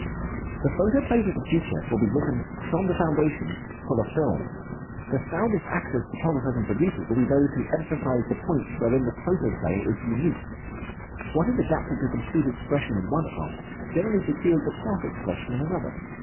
The photoplays of the future will be written from the foundations for the films. The soundest actors, photographers, and producers will be those who emphasize the points wherein the photoplay is unique. What is adapted to complete expression in one art generally secures but half expression in another.